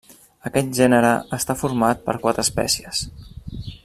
Aquest gènere està format per quatre espècies.